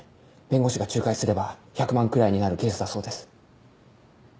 弁護士が仲介すれば１００万くらいになるケースだそうです。